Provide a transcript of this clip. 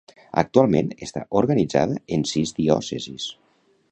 Actualment està organitzada en sis diòcesis.